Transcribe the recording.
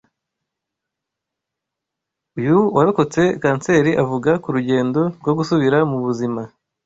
Uyu warokotse kanseri avuga k’Urugendo rwo gusubira mu buzima"